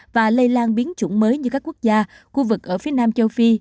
và lây lan biến chủng mới như các quốc gia khu vực ở phía nam châu phi